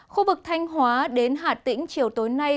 khu vực thanh hóa đến hà tĩnh chiều tối nay